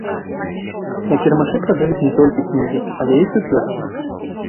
На кірмашы прадаюць не толькі кнігі, але і цукеркі.